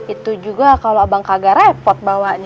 itu juga kalau abang kagak repot bawanya